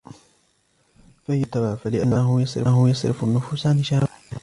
فَهِيَ الدِّينُ الْمُتَّبَعُ فَلِأَنَّهُ يَصْرِفُ النُّفُوسَ عَنْ شَهَوَاتِهَا